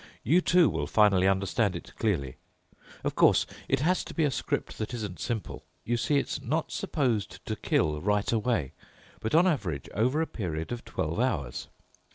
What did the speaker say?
You too will finally understand it clearly. Of course, it has to be a script that isn't simple. You see, it's not supposed to kill right away, but on average over a period of twelve hours.